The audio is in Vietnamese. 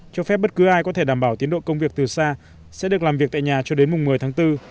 cho phép bất cứ ai có thể đảm bảo tiến độ công việc từ xa sẽ được làm việc tại nhà cho đến mùng một mươi tháng bốn